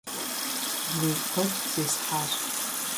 Лей куэд зесхьащ.